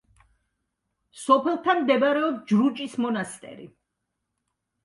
სოფელთან მდებარეობს ჯრუჭის მონასტერი.